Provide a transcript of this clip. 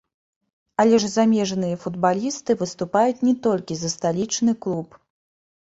Але ж замежныя футбалісты выступаюць не толькі за сталічны клуб.